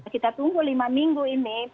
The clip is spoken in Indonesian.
kita tunggu lima minggu ini